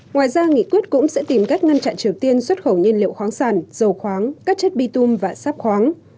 ngoài ra nghị quyết cũng sẽ tìm cách ngăn chặn triều tiên xuất khẩu nhiên liệu khoáng sản dầu khoáng các chất bi tùm và sáp khoáng